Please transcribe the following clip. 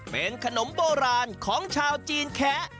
เป็นขนมโบราณของชาวจีนแคะ